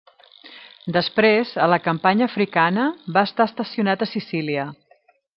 Després, a la campanya africana, va estar estacionat a Sicília.